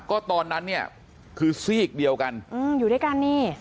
ก็ตอนนั้นเนี่ยคือซีกเดียวกันอยู่ด้วยกันนี่